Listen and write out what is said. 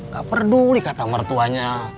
gak peduli kata mertuanya